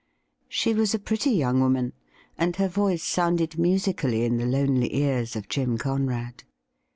She w£is a pretty young woman, and her voice sounded musically in the lonely ears of Jim Conrad.